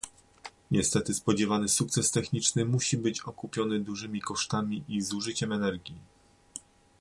Niestety spodziewany sukces techniczny musi być okupiony dużymi kosztami i zużyciem energii